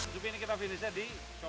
subinik kita berisai dengan coban putri